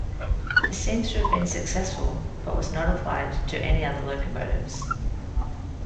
This seems to have been successful, but was not applied to any other locomotives.